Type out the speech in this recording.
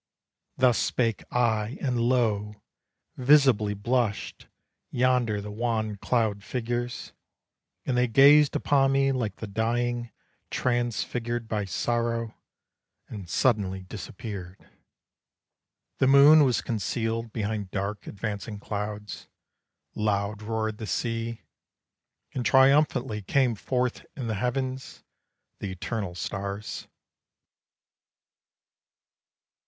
Thus spake I, and lo, visibly blushed Yonder the wan cloud figures, And they gazed upon me like the dying, Transfigured by sorrow, and suddenly disappeared. The moon was concealed Behind dark advancing clouds. Loud roared the sea. And triumphantly came forth in the heavens The eternal stars.